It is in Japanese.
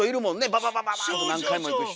バババババッて何回もいく人。